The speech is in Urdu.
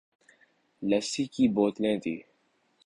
لسی کی بوتلیں دی ۔